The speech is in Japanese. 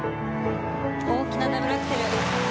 大きなダブルアクセル。